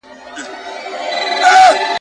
د رندانو له مستۍ به تیارې تښتي !.